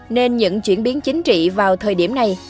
nên những chuyển biến chính trị vào thời điểm này